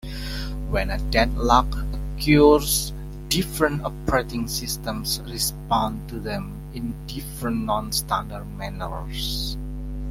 When a deadlock occurs, different operating systems respond to them in different non-standard manners.